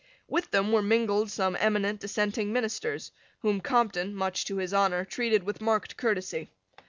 With them were mingled some eminent dissenting ministers, whom Compton, much to his honour, treated with marked courtesy.